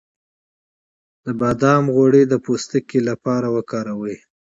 د بادام غوړي د پوستکي لپاره وکاروئ